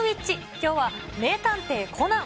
きょうは名探偵コナン。